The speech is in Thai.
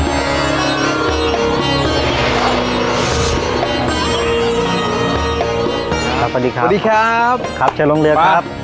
ครับสวัสดีครับสวัสดีครับครับจะลงเรือครับ